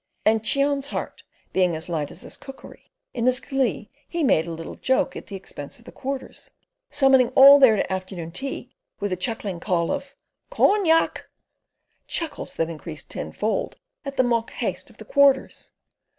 And Cheon's heart being as light as his cookery, in his glee he made a little joke at the expense of the Quarters, summoning all there to afternoon tea with a chuckling call of "Cognac!" chuckles that increased tenfold at the mock haste of the Quarters.